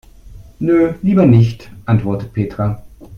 Nö, lieber nicht, antwortet Petra.